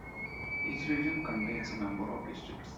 Each region contains a number of districts.